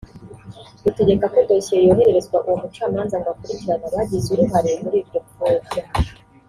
rutegeka ko dosiye yohererezwa uwo mucamanza ngo akurikirane abagize uruhare muri iryo pfobya